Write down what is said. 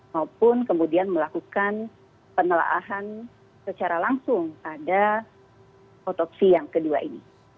maupun kemudian melakukan penelaahan secara langsung pada otopsi yang kedua ini